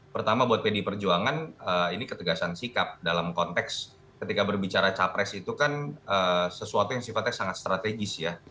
pertama buat pdi perjuangan ini ketegasan sikap dalam konteks ketika berbicara capres itu kan sesuatu yang sifatnya sangat strategis ya